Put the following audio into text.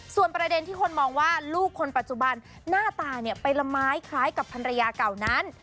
ส่วนประเด็นที่คนมองว่าลูกคนปัจจุบันหน้าตาไปละไม้คล้ายกับภรรยาเก่านั้น